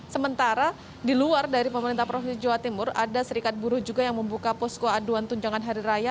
sementara di luar dari pemerintah provinsi jawa timur ada serikat buruh juga yang membuka posko aduan tunjangan hari raya